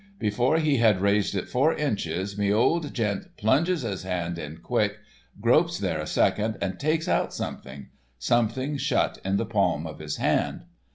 Before he had raised it four inches me old gent plunges his hand in quick, gropes there a second and takes out something—something shut in the palm of his hand.